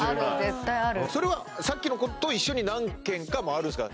絶対あるそれはさっきの子と一緒に何軒か回るんですか